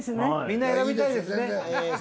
みんな選びたいですねははっ。